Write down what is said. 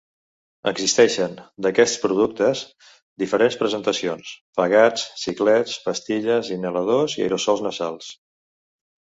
Existeixen, d'aquests productes, diferents presentacions: pegats, xiclets, pastilles, inhaladors i aerosols nasals.